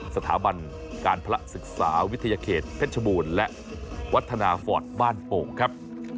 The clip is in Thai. สถาบันการพระศึกษาวิทยาเขตเพชรบูรณ์และวัฒนาฟอร์ตบ้านโป่งครับ